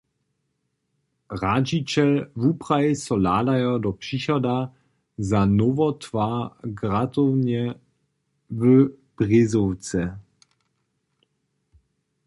Radźićel wupraji so hladajo do přichoda za nowotwar gratownje w Brězowce.